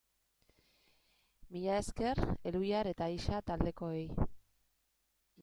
Mila esker Elhuyar eta Ixa taldekoei!